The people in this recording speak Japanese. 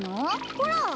ほら！